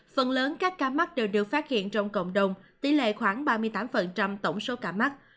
phần lớn các ca mắc đều được phát hiện trong cộng đồng tỷ lệ khoảng ba mươi tám tổng số ca mắc